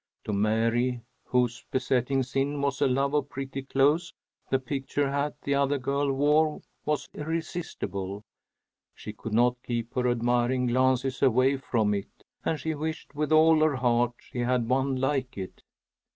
To Mary, whose besetting sin was a love of pretty clothes, the picture hat the other girl wore was irresistible. She could not keep her admiring glances away from it, and she wished with all her heart she had one like it.